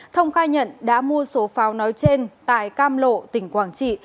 thông khai nhận đã mua số pháo nói trên tại cam lộ tỉnh quảng trị